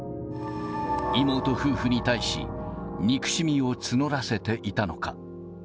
妹夫婦に対し、憎しみを募らせていたのか。